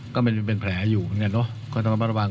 ก็ให้นอนให้หมอเขาดูต่างกันครั้งวัน